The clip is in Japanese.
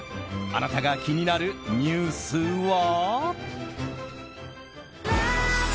あなたが気になるニュースは？